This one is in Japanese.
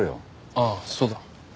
ああそうだ。